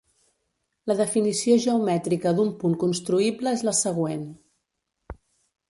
La definició geomètrica d'un punt construïble és la següent.